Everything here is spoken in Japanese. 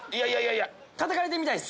たたかれてみたいです！